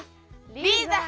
リーザ！